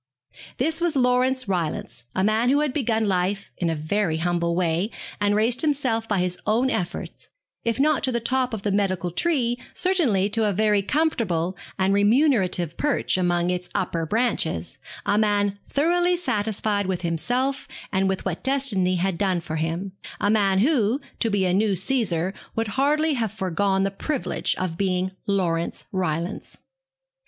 This was Laurence Rylance, a man who had begun life in a very humble way, had raised himself by his own efforts, if not to the top of the medical tree, certainly to a very comfortable and remunerative perch among its upper branches; a man thoroughly satisfied with himself and with what destiny had done for him; a man who, to be a new Caesar, would hardly have foregone the privilege of being Laurence Rylance.